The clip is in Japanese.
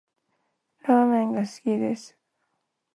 ラーメンが好きです